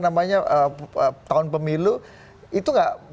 namanya tahun pemilu itu nggak bisa itu nggak bisa